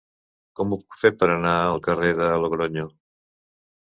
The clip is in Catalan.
Com ho puc fer per anar al carrer de Logronyo?